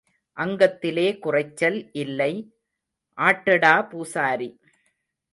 அங்கத்திலே குறைச்சல் இல்லை ஆட்டடா பூசாரி.